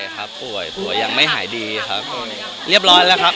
ใช่ป่วยครับป่วยอย่างไม่หายดีครับ